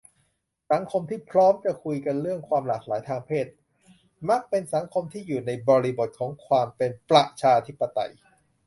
สังคมที่พร้อมจะคุยกันเรื่องความหลากหลายทางเพศ มักเป็นสังคมที่อยู่ในบริบทของความเป็นประชาธิปไตย